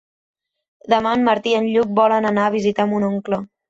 Demà en Martí i en Lluc volen anar a visitar mon oncle.